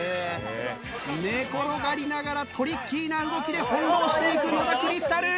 寝転がりながらトリッキーな動きで翻弄していく野田クリスタル。